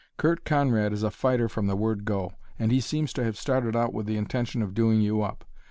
"Curt Conrad is a fighter from the word 'go,' and he seems to have started out with the intention of doing you up.